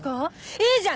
いいじゃん！